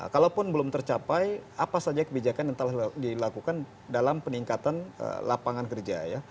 kalaupun belum tercapai apa saja kebijakan yang telah dilakukan dalam peningkatan lapangan kerja ya